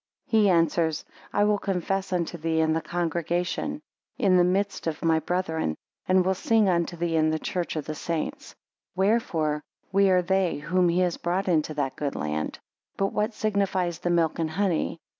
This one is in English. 19 He answers I will confess unto thee in the congregation in the midst of my brethren; and will sing unto thee in the church of the saints: 20 Wherefore we are they whom he has brought into that good land. 21 But what signifies the milk and honey?